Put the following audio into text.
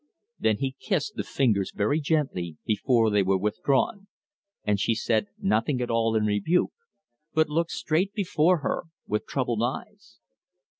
Then he kissed the fingers very gently before they were withdrawn, and she said nothing at all in rebuke, but looked straight before her with troubled eyes.